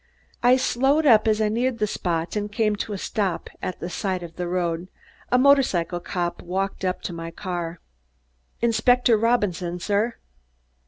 I slowed up as I neared the spot and came to a stop at the side of the road. A motorcycle cop walked up to my car. "Inspector Robinson, sir?"